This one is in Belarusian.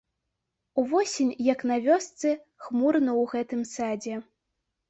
Увосень, як на вёсцы, хмурна ў гэтым садзе.